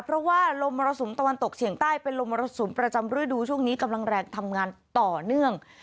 เพราะว่าลมมรสุมตะวันตกเฉียงใต้เป็นลมมรสุมประจำฤดูช่วงนี้กำลังแรงทำงานต่อเนื่อง